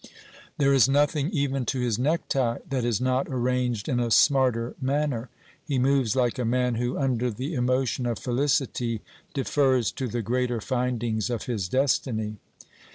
There is nothing, even to his necktie, that is not arranged in a smarter manner ; he moves like a man who, under the 2 A 370 OBERMANN emotion of felicity, defers to the greater findings of his destiny.